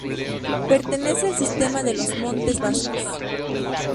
Pertenece al sistema de los Montes Vascos.